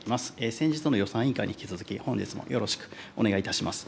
先日の予算委員会に引き続き、本日もよろしくお願いいたします。